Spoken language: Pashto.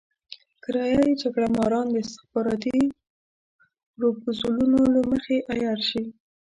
کرايه يي جګړه ماران د استخباراتي پروپوزلونو له مخې عيار شي.